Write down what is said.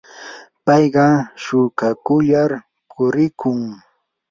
payqa shuukakullar purikun.